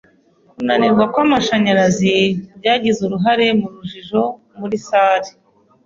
Kunanirwa kw'amashanyarazi byagize uruhare mu rujijo muri salle.